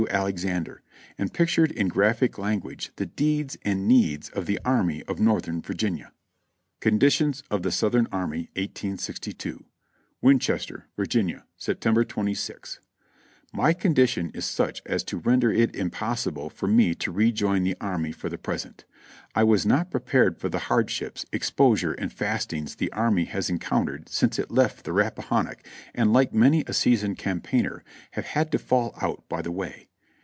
Alexander, and pictured in graphic language the deeds and needs of the Army of Northern Virginia. "Conditions of the Southern Army, 1862. "Winchester, (Va.) Sept. 26th — My condition is such as to render it impossible for me to rejoin the army for the present. I was not prepared for the hardships, exposure and fastings the army has encountered since it left the Rappahannock, and like many a seasoned campaigner have had to 'fall out by the way.'